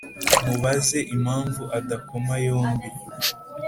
mubaze impamvu adakoma yombi